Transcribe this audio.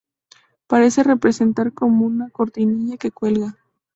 Parecen representar como una cortinilla que cuelga.